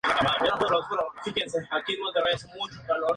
Su producción empezó en la Fábrica Hotchkiss de Saint-Denis, en París.